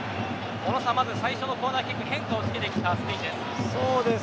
小野さん、最初のコーナーキックに変化をつけてきたスペインです。